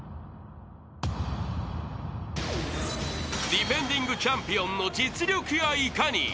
［ディフェンディングチャンピオンの実力やいかに？］